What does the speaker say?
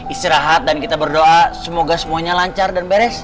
istirahat dan kita berdoa semoga semuanya lancar dan beres